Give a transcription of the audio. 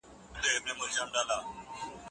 استاد باید په خپله موضوع کي پوره علم ولري.